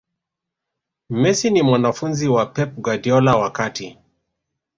messi ni mwanafunzi wa pep guardiola wakati